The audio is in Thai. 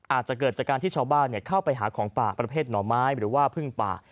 อาจจะเกิดจากการที่ชาวบ้านเข้าไปหาของป่าประเภทหน่อไม้หรือว่าพึ่งป่า